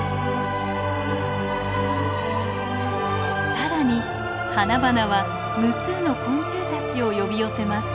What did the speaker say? さらに花々は無数の昆虫たちを呼び寄せます。